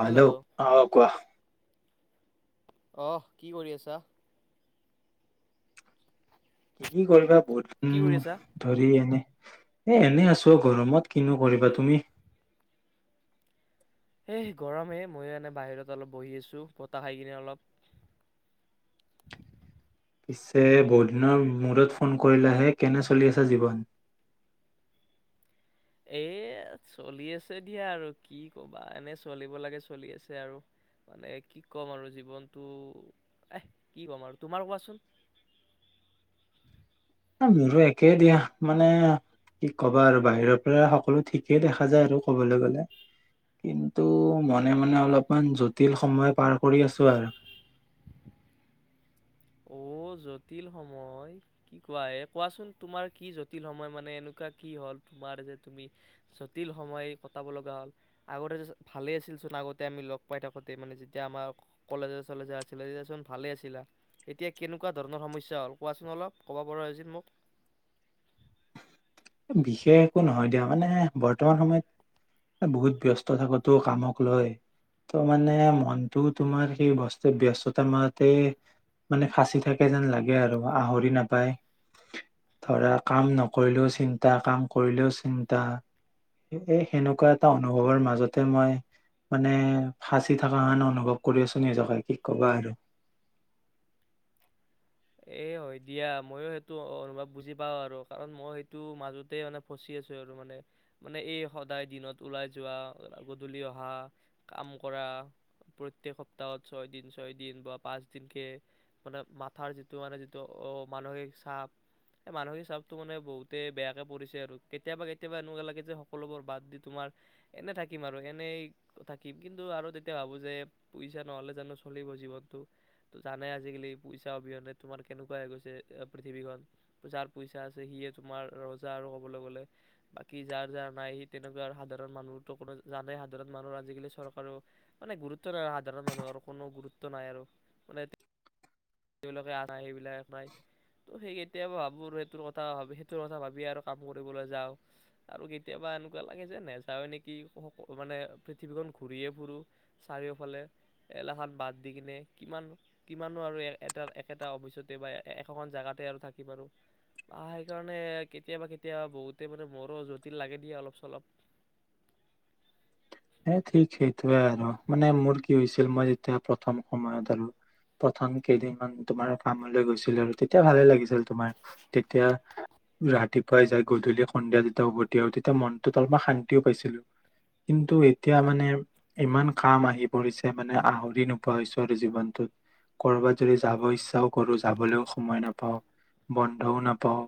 Hello অঁ কোৱা অঁ কি কৰি আছা কি কি কৰিবা বহুত কি কৰি উম আছা? ধৰি এনে এ এনে আছো গৰমত কিনো কৰিবা তুমি এ গৰমে ময়ো এনে বাহিৰত অলপ বহি আছোঁ বতাহ খাই কিনে অলপ পিছে বহুদিনৰ মূৰত ফোন কৰিলাহে কেনে চলি আছা জীৱন এ চলি আছে দিয়া আৰু কি কবা এনে চলিব লাগে চলি আছে আৰু মানে কি ক'ম আৰু জীৱনটো এ কি ক'ম আৰু তোমাৰ কোৱাচোন। মোৰো একে দিয়া মানে কি কবা আৰু বাহিৰৰ পৰা সকলো ঠিকেই দেখা যায় আৰু কবলৈ গলে কিন্তু মনে মনে অলপমান জটিল সময় পাৰ কৰি আছো আৰু অ জটিল সময় কি কোৱা এ কোৱাচোন তোমাৰ কি জটিল সময় মানে এনেকুৱা কি হল তোমাৰ যে তুমি জটিল সময় কটাব লগা হল আগতে যে ভালে আছিল চোন আগতে আমি লগ পাই থাকোঁতে মানে যেতিয়া আমাৰ কলেজ চলেজ আছিলে তেতিয়ানো ভালে আছিলা। এতিয়া কেনেকুৱা ধৰণৰ সমস্যা হ'ল কোৱাচোন অলপ ক'ব পৰাছিল মোক বিশেষ একো নহয় দিয়া মানে বৰ্তমান সময়ত বহুত ব্যস্ত থাকোতো কামক লৈ ত মানে মনটো তোমাৰ সেই বস্তু ব্যস্ততা মানতে মানে সাঁচি থাকে যেন লাগে আৰু আহৰি নাপায় ধৰা কাম নকৰিলেও চিন্তা চিন্তা কাম কৰিলেও চিন্তা এই সেনেকুৱা এটা অনুভৱৰ মাজতে মই মানে ফাঁচি থকা কাৰণে অনুভৱ কৰি আছো নিজকে কি কবা আৰু এ হয় দিয়া মইয়ো সেইটো অনুভৱ বুজি পাওঁ আৰু কাৰণ মই সেইটো মাজতে মানে ফচি আছো আৰু মানে মানে এই সদায় দিনত ওলাই যোৱা গধূলি অহা কাম কৰা প্ৰত্যেক সপ্তাহত ছয় দিন ছয় দিন বা পাঁচ দিনকে মানে মাথাৰ যি তোমানে যিটো অ মানসিক চাপ সেই মানসিক চাপটো মানে বহুতেই বেয়াকে পৰিছে আৰু কেতিয়াবা কেতিয়াবা এনেকুৱা লাগে যে সকলোবোৰ বাদ দি তোমাৰ এনে থাকিম আৰু এনেই থাকিম কিন্তু আৰু তেতিয়া ভাবোঁ যে পইচা নহ'লে জানো চলিব জীৱনটো ত জানে আজিকালি পইচা অবিহনে তোমাৰ কেনেকুৱা হৈ গৈছে পৃথিৱীখন যাৰ পইচা আছে সিয়ে তোমাৰ ৰজা আৰু কবলৈ গলে বাকী যাৰ যাৰ নাই সি তেনেকুৱা আৰু সাধাৰণ মানুহো কোনো জানে সাধাৰণ মানুহ আজিকালি চৰকাৰে মানে গুৰুত্ব নাই সাধাৰণ মানুহৰ কোনো গুৰুত্ব নাই আৰু মানে যিবিলাকে নাই সেইবিলাক নাই ত' সেই কেতিয়াবা ভাবোঁ সেইটোৰ কথা সেইটোৰ কথা ভাবিয়ে আৰু কাম কৰিবলৈ যাওঁ আৰু কেতিয়াবা এনেকুৱা লাগে যে নাযাওঁ নেকি মানে পৃথিৱীখন ঘূৰিয়ে ফুুৰোঁ চাৰিওফালে এলাহখন বাদ দি কিনে কিমান কিমানো আৰু এটা একেটা অফিচতে বা একোখন জোগাতে আৰু থাকিম আৰু বা সেইকাৰণে কেতিয়াবা কেতিয়াবা বহুতে মানে মোৰো জটিল লাগে দিয়ে অলপ চলপ হ ঠিক সেইটোৱে আৰু মানে মোৰ কি হৈছিল মই যেতিয়া প্ৰথম সময়ত আৰু প্ৰথম কেইদিন মান তোমাৰ কামলৈ গৈছিল আৰু তেতিয়া ভালে লাগিছিল তোমাৰ তেতিয়া ৰাতিপুৱাই যাই গধূলি সন্ধিয়া যেতিয়া উভতি আৰু তেতিয়া মনটোত অলপমান শান্তিও পাইছিলো কিন্তু টো এতিয়া মানে ইমান কাম আহি পৰিছে মানে আহৰি নোপোৱা হৈছো আৰু জীৱনটোত কৰ'বাত যদি যাব ইচ্ছাও কৰো যাবলৈও সময় নাপাওঁ বন্ধও নাপাওঁ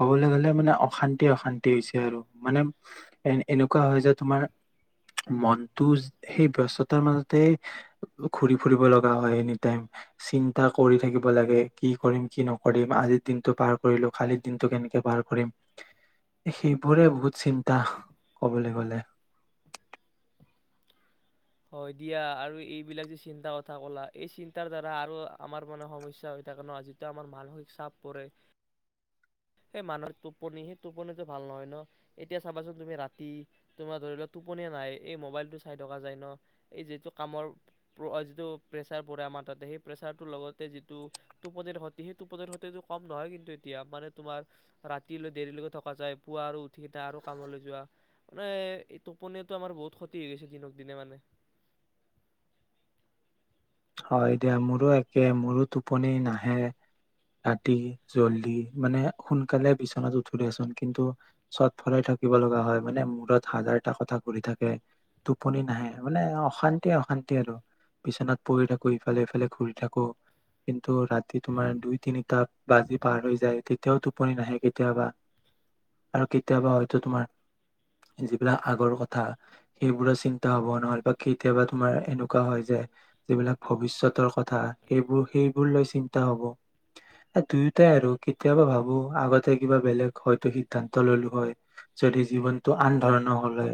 কবলৈ গলে মানে অশান্তি অশান্তি হৈছে আৰু মানে এ এনেকুৱা হয় যে তোমাৰ মনটো সেই ব্যস্ততাৰ মাজতে ঘুৰি ফুৰিব লগা হয় এনি টাইম চিন্তা কৰি থাকিব লাগে কি কৰিম কি নকৰিম আজিৰ দিনটো পাৰ কৰিলো কালিৰ দিনটো কেনেকে পাৰ কৰিম সেইবোৰে বহুত চিন্তা কবলৈ গলে। হয় দিয়া আৰু এইবিলাক যে চিন্তা কথা কলা এই চিন্তাৰ দ্বাৰা আৰু আমাৰ মানে সমস্যা হৈ থাকে ন যিটো আমাৰ মানসিক চাপ পৰে সেই মানুহ টোপনি সেই টোপনিটো ভাল নহয় ন এতিয়া চাবাচোন তুমি ৰাতি তোমাৰ ধৰি লোৱা টোপনিয় নাই এই মোবাইলটো চাই থকা যায় ন এই যিটো কামৰ যিটো প্ৰেচাৰ পৰে আমাৰ তাতে সেই প্ৰেচাৰটোৰ লগতে যিটো টোপনিৰ ক্ষতি সেই টোপনিৰ ক্ষতিটো কম নহয় কিন্তু এতিয়া মানে তোমাৰ ৰাতিলৈ দেৰিলৈকে থকা যায় পুৱা আৰু উঠি কি আৰু কামলৈ যোৱা মানে টোপনো আমাৰ বহুত ক্ষতি হৈ গৈছে দিনক দিনে মানে হয় দিয়া মোৰো একে মোৰো টোপনি নাহে ৰাতি জল্দি মানে সোনকালে বিচনাত উঠো দেচোন কিন্তু চট ফৰাই থাকিব লগা হয় মানে মূৰত হাজাৰটা কথা ঘূৰি থাকে টোপনি নাহে মানে অশান্তি অশান্তি আৰু বিচনাত পঢ়ি থাকো ইফালে ইফালে ঘূৰি থাকো কিন্তু ৰাতি তোমাৰ দুই তিনিটা বাজি পাৰ হৈ যায় তেতিয়াও টোপনি নাহে কেতিয়াবা আৰু কেতিয়াবা হয়তো তোমাৰ যিবিলাক আগৰ কথা সেইবোৰৰ চিন্তা হব নহয় বা কেতিয়াবা তোমাৰ এনেকুৱা হয় যে যিবিলাক ভৱিষ্যতৰ কথা সেইবোৰ সেইবোৰ লৈ চিন্তা হব এই দুয়োটাই আৰু কেতিয়াবা ভাবো আগতে কিবা বেলেগ হয়তো সিদ্ধান্ত ললো হয় যদি জীৱনটো আন ধৰণৰ হলে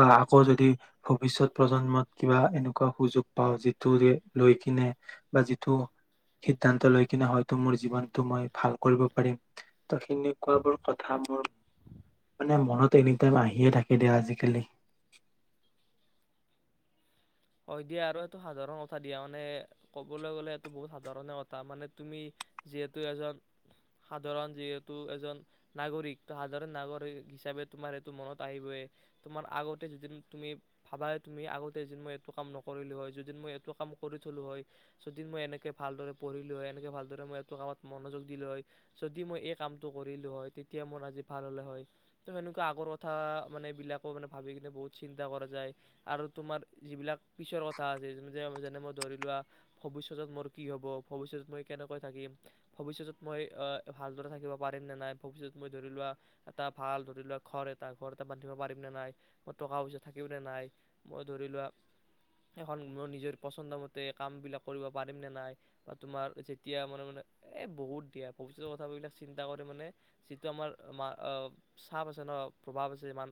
বা আকৌ যদি ভৱিষ্যত প্ৰজন্মত কিবা এনেকুৱা সুযোগ পাওঁ যে টোৱে লৈ কিনে বা যিটো সিদ্ধান্ত লৈ কিনে হয়তো মোৰ জীৱনটো মই ভাল কৰিব পাৰিম ত সেনেকুৱা বোৰ কথা মোৰ মানে মনত এনি টাইম আহিয়ে থাকে দিয়া আজিকালি। হয় দিয়া আৰু এইটো সাধাৰণ কথা দিয়া মানে ক'বলৈ গলে এইটো বহুত সাধাৰণ কথা মানে তুমি যিহেতু এজন সাধাৰণ যিহেতু এজন নাগৰিক ত সাধাৰণ নাগৰিক হিচাপে তোমাৰ এইটো মনত আহিবই তোমাৰ আগতে যিদিন তুমি ভাবা তুমি আগতে যি মই এইটো কাম নকৰিলোঁ হয় যদি মই এইটো কাম কৰি থলোঁ হয় যদি মই এনেকৈ ভালদৰে পঢ়িলোঁ হয় এনেকৈ ভালদৰে মই এইটো কামত মনোযোগ দিলোঁ হয় যদি মই এই কামটো কৰিলোঁ হয় তেতিয়া মোৰ আজি ভাল হ'লে হয় তো সেনেকুৱা আগৰ কথা মানে এইবিলাকো মানে ভাবি কিনে বহুত চিন্তা কৰা যায় আৰু তোমাৰ যিবিলাক পিছৰ কথা আছে যেনে মই ধৰি লোৱা ভৱিষ্যতত মোৰ কি হ'ব ভৱিষ্যতত মই কেনেকৈ থাকিম ভৱিষ্যতত মই ভালদৰে থাকিব পাৰিম নে নাই ভৱিষ্যত মই ধৰি লোৱা এটা ভাল ধৰি লোৱা ঘৰ এটা ঘৰ এটা বান্ধিব পাৰিম নে নাই মই টকা পইচা থাকিম নে নাই মই ধৰি লোৱা এখন মই নিজৰ পচন্দ মতে কাম বিলাক কৰিব পাৰিম নে নাই বা তোমাৰ যেতিয়া মানে মানে এ বহুত দিয়া ভৱিষ্যৰ কথ বিলাক চিন্তা কৰি মানে যিটো আমাৰ চাপ আছে ন প্ৰভাৱ আছে ম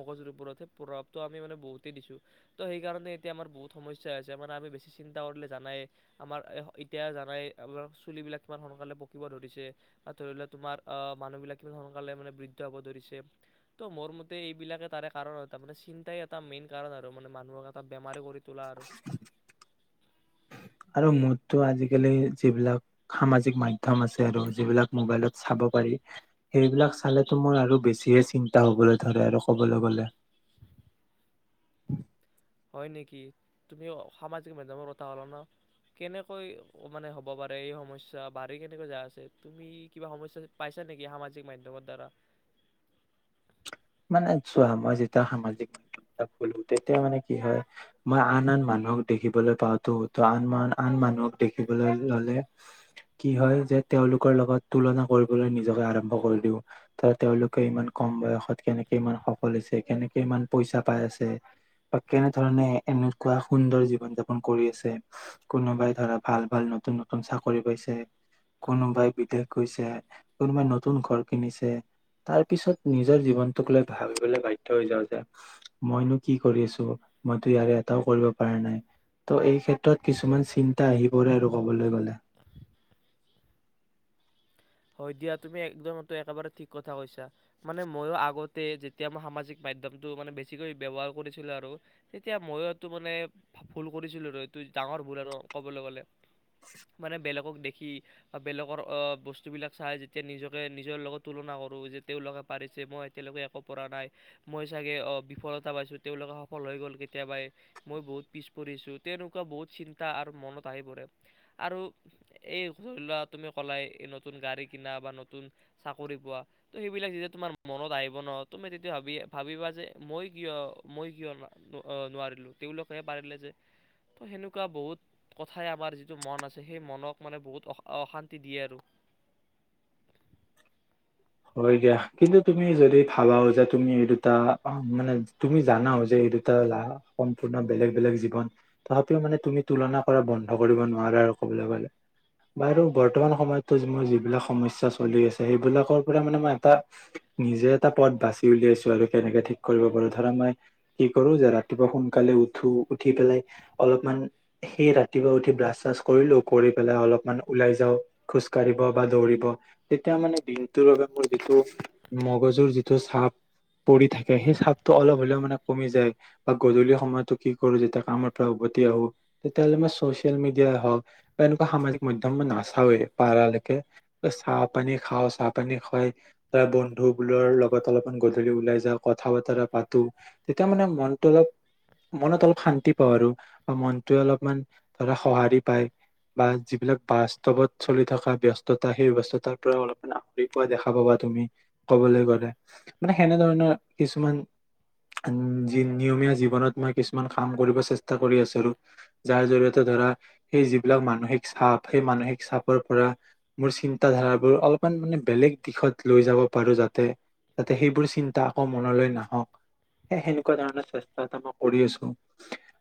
মগজুৰ ওপৰত সেই প্ৰভাৱো আমি মানে বহুতেই দিছো ত সেই সেইকাৰণে এতিয়া আমাৰ বহুত সমস্যা আছে মানে আমি বেছি চিন্তা কৰিলে জানাই আমাৰ এতিয়া জানাই আৰ চুলিবিলাক কিমান সোনকালে পকিব ধৰিছে ধৰি লও তোমাৰ মানুহবিলাক কিমান সোনকালে মানে বৃদ্ধি হ'ব ধৰিছে ত' মোৰ মতে এইবিলাকে তাৰে কাৰণ হয় তাৰ মানে চিন্তাই এটা মেইন কাৰণ আৰু মানে মানুহক বেমাৰ কৰি তোলা আৰু আৰু মোৰতো আজিকালি যিবিলাক সামাজিক মাধ্যম আছে আৰু যিবিলাক মোবাইলত চাব পাৰি সেইবিলাক চালো মোৰ আৰু বেছিহে চিন্তা হবলৈ ধৰে আৰু কবলৈ গলে হয় নেকি তুমি সামাজিক মাধ্যমৰ কথা হ'লা ন কেনেকৈ মানে হ'ব পাৰে এই সমস্যা বাঢ়ি কেনেকৈ যায় আছে তুমি কিবা সমস্যা পাইছা নেকি সামাজিক মাধ্যমৰ দ্বাৰা মানে চোৱা মই যেতিয়া সামাজিক মাধ্যমত কলো তেতিয়া মানে কি হয় মই আন আন মানুহক দেখিবলৈ পাওঁতো ত আন আন মানুহক দেখিবলৈ ললে কি হয় যে তেওঁলোকৰ লগত তুলনা কৰিবলৈ নিজকে আৰম্ভ কৰি দিও ত তেওঁলোকে ইমান কম বয়সত। কেনেকে ইমান সফল হৈছে কেনেকে ইমান পইচা পাই আছে বা কেনেধৰণে এনেকুৱা সুন্দৰ জীৱন যাপন কৰি আছে কোনোবাই ধৰা ভাল ভাল নতুন নতুন চাকৰি পাইছে কোনোবাই বিদেশ গৈছে কোনোবাই নতুন ঘৰ কিনিছে তাৰ পিছত নিজৰ জীৱন তোক লৈ ভাবিবলৈ বাধ্য হৈ যাও যে মইনো কি কৰি আছো মইতো ইয়াৰে এটাও কৰিব পৰা নাই ত' এই ক্ষেত্ৰত কিছুমান চিন্তা আহি পৰে আৰু কবলৈ গলে। হয় দিয়া তুমি একদম একেবাৰে ঠিক কথা কৈছা মানে মইয়ো আগতে যেতিয়া মই সামাজিক মাধ্যমটোৰ মানে বেছিকৈ ব্যৱহাৰ কৰিছিলো আৰু তেতিয়া ময়ো এইটো মানে ভুল কৰিছিলো আৰু এইটো ডাঙৰ ভুল আৰু কবলৈ গলে মানে বেলেগক দেখি বেলেগৰ বস্তু বস্তুবিলাক চাই যেতিয়া নিজকে নিজৰ লগত তুলনা কৰোঁ যে তেওঁলোকে পাৰিছে মই এতিয়ালৈকে একো পৰা নাই মই চাগে বিফলতা পাইছোঁ তেওঁলোকে সফল হৈ গ'ল কেতিয়াবাই মই বহুত পিছ পৰিছোঁ তেনেকুৱা বহুত চিন্তা আৰু মনত আহি পৰে আৰু এই লৰা তুমি ক'লাই নতুন গাড়ী কিনা বা নতুন চাকৰি পোৱা তো সেইবিলাক যেতিয়া তোমাৰ মনত আহিব ন তুমি তেতিয়া ভাবি ভাবিবা যে মই কিয় মই কিয় নোৱাৰিলোঁ তেওঁলোকহে পাৰিলে যে তো সেনেকুৱা বহুত কথাই আমাৰ যিটো মন আছে সেই মনক মানে বহুত অশান্তি দিয়ে আৰু হয় দিয়া কিন্তু তুমি যদি ভাবাও যে তুমি এই দুটা মানে তুমি জানাও যে এই দুটা লা সম্পূৰ্ণ বেলেগ বেলেগ জীৱন তথাপিও মানে তুমি তুলনা কৰা বন্ধ কৰিব নোৱাৰা আৰু কবলৈ গলে বাৰু বৰ্তমান সময়ত মোৰ যিবিলাক সমস্যা চলি আছে সেইবিলাকৰ ম মই এটা নিজে এটা পথ বাচি উলিয়াইছো আৰু কেনেকে ঠিক কৰিব পাৰো ধৰা মই কি কৰো যে ৰাতিপুৱা সোনকালে উঠো উঠি পেলাই অলপমান সেই ৰাতিপুৱা উঠি ব্ৰাছ চাছ কৰিলো কৰি পেলাই অলপমান ওলাই যাও খোজ কাঢ়িব বা দৌৰিব তেতিয়া মানে দিন মোৰ যিটো মগজুৰ যিটো চাপ পৰি থাকে সেই চাপটো অলপ হলেও মানে কমি যায় বা গধূলি সময়তো কি কৰো যেতিয়া কামৰ পৰা উভতি আহো তেতিয়াাহ'লে মই চচিয়েল মিডিয়াই হওক বা এনেকুৱা সামাজিক মধ্যম মই নাচাওেই পাৰালৈকে চাহ পানী খাওঁ চাপ পানী খুৱাই ধৰা বন্ধু বোৰৰ লগত অলপমান গধূলি ওলাই যা কথা বতৰা পাতো তেতিয়া মানে মনটো অলপ মনত অলপ শান্তি পাওঁ আৰু বা মনটোৱে অলপমান ধৰা সঁহাৰি পায় বা যিবিলাক বাস্তৱত চলি থকা ব ব্যস্ততা সেই ব্যস্ততাৰ পৰা অলপমান দেখা পাবা তুমি কবলৈ গলে মানে সেনেধৰণৰ কিছুমান নিয়মীয়া জীৱনত মই কিছুমান কাম কৰিব চেষ্টা কৰি আছো যাৰ জৰিয়তে ধৰা সেই যিবিলাক মানসিক চাপ সেই মানসিক চাপৰ পৰা মোৰ চিন্তা ধাৰাবোৰ অলপমান মানে বেলেগ দিশত লৈ যাব পাৰোঁ যাতে যাতে সেইবোৰ চিন্তা আকৌ মনলৈ নাহক সেই সেনেকুৱা ধৰণৰ চেষ্টা এটা মই কৰি আছোঁ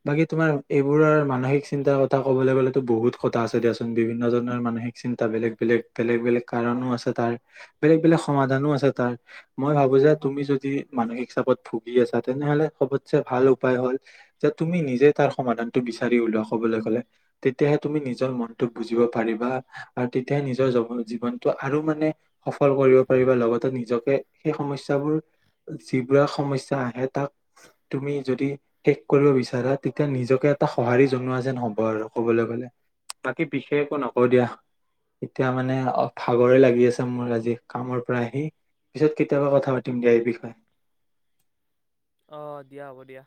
বাকী তোমাৰ এইবোৰৰ মানসিক চিন্তাৰ কথা ক'বলৈ গ'লেতো বহুত কথা আছে দিয়াচোন বিভিন্ন ধৰণৰ মানসিক চিন্তা বেলেগ বেলেগ বেলেগ বেলেগ কাৰণো আছে তাৰ বেলেগ বেলেগ সমাধানো আছে তাৰ মই ভাবো যে তুমি যদি মানসিক চাপত ভুগি আছা তেনেহলে সবতছেে ভাল উপায় হল যে তুমি নিজে তাৰ সমাধানটো বিচাৰি উওলোৱা কবলৈ গলে তেতিয়াহে তুমি নিজৰ মনটো বুজিব পাৰিবা আৰু তেতিয়াহে নিজৰ জ জীৱনটো আৰু মানে সফল কৰিব পাৰিবা লগতে নিজকে সেই সমস্যাবোৰ যিবোৰে সমস্যা আহে তাক তুমি যদি শেষ কৰিব বিচাৰা তেতিয়া নিজকে এটা সঁহাৰি জনোৱা যেন হব আৰু কবলৈ গলে বাকী বিশেষ একো নকওঁ দিয়া এতিয়া মানে ভাগৰে লাগি আছে মোৰ আজি কামৰ পৰা আহি পিছত কেতিয়াবা কথা পাতিম দিয়া এই বিষয়ে। অঁ দিয়া হ'ব দিয়া।